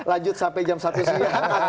lanjut sampai jam satu siang